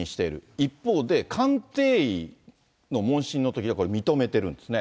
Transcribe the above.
一方で、鑑定医の問診のときは、これ、認めてるんですね。